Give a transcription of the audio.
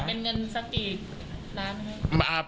เป็นเงินสักกี่น้ำให้